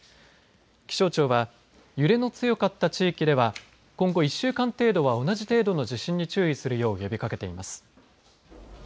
気象庁は揺れの強かった地域では今後１週間程度は同じ程度の地震に注意するよう呼びかけています。